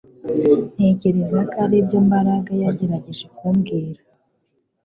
Ntekereza ko aribyo Mbaraga yagerageje kumbwira